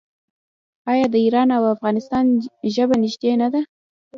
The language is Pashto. آیا د ایران او افغانستان ژبه نږدې نه ده؟